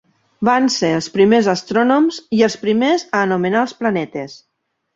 Van ser els primers astrònoms i els primers a anomenar els planetes.